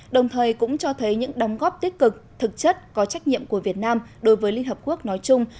đồng thời cũng cho thấy những đóng góp tích cực thực chất có trách nhiệm của việt nam đối với liên hợp quốc nói chung